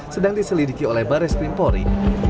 sedang diselidiki oleh baris green pori